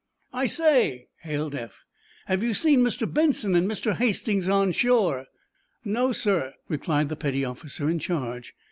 "I say," hailed Eph, "have you seen Mr. Benson and Mr. Hastings on shore!" "No, sir," replied the petty officer in charge.